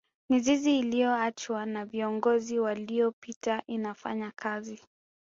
mizizi iliyoachwa na viongozi waliyopita inafanya kazi